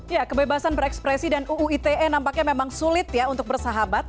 ya kebebasan berekspresi dan uu ite nampaknya memang sulit ya untuk bersahabat